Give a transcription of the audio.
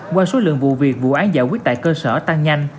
qua số lượng vụ việc vụ án giải quyết tại cơ sở tăng nhanh